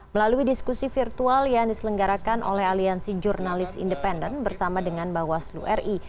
melalui diskusi virtual yang diselenggarakan oleh aliansi jurnalis independen bersama dengan bawaslu ri